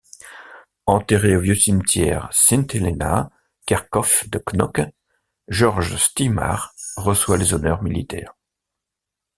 Enterré au vieux cimetière Sint-Helena kerkhof de Knocke, Georges Stimart reçoit les honneurs militaires.